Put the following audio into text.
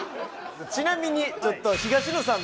ちなみにちょっと東野さんの。